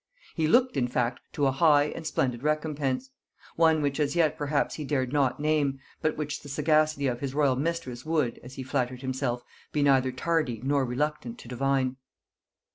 He looked in fact to a high and splendid recompense, one which as yet perhaps he dared not name, but which the sagacity of his royal mistress would, as he flattered himself, be neither tardy nor reluctant to divine.